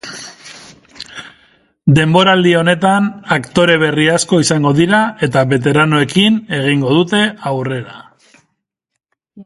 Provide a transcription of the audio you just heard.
Denboraldi honetan aktore berri asko izango dira eta beteranoekin egingo dute aurrera.